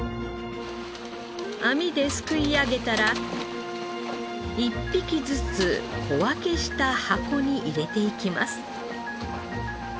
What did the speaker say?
網ですくい上げたら１匹ずつ小分けした箱に入れていきます。